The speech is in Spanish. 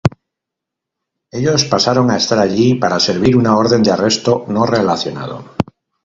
Ellos pasaron a estar allí para servir una orden de arresto no relacionado.